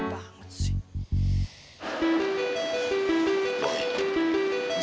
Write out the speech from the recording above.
hah hah hah